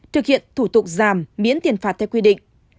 thực hiện thủ tục giảm miễn tiền phạt theo quy định